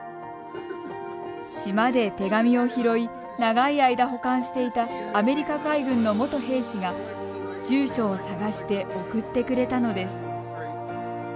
島で手紙を拾い長い間保管していたアメリカ海軍の元兵士が住所を探して送ってくれたのです。